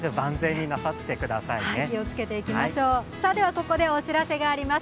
ここでお知らせがあります。